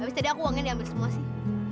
habis tadi aku uangnya diambil semua sih